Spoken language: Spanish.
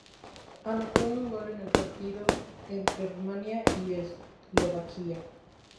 Anotó un gol en el partido entre Rumania y Eslovaquia.